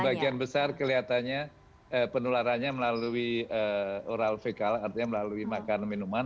sebagian besar kelihatannya penularannya melalui oral vekal artinya melalui makanan minuman